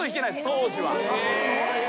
当時は。